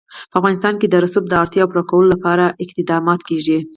په افغانستان کې د رسوب د اړتیاوو پوره کولو لپاره اقدامات کېږي.